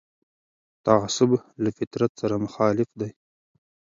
تعصب له فطرت سره مخالف دی